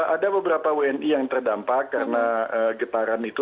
ada beberapa wni yang terdampak karena getaran itu